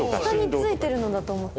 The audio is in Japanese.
下についてるのだと思ってた。